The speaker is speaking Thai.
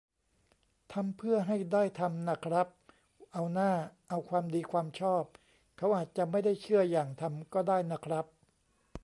ทำเพื่อให้ได้ทำน่ะครับ เอาหน้า เอาความดีความชอบ เขาอาจจะไม่ได้เชื่ออย่างทำก็ได้น่ะครับ